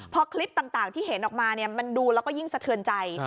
พอคลิปต่างที่เห็นออกมามันดูแล้วก็ยิ่งสะเทือนใจ